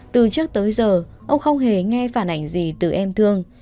từ trước tới giờ ông không hề nghe phản ảnh gì từ em thương